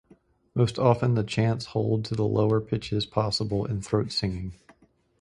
Most often the chants hold to the lower pitches possible in throat singing.